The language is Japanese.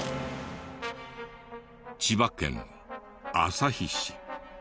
千葉県旭市。